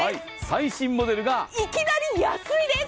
最新モデルがいきなり安いです！